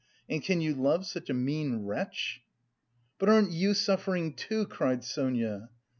And can you love such a mean wretch?" "But aren't you suffering, too?" cried Sonia.